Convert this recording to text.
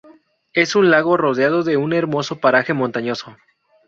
Es un lago rodeado de un hermoso paraje montañoso.